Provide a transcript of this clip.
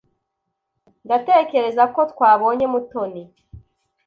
Ndatekereza ko twabonye Mutoni.